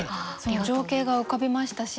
情景が浮かびましたし。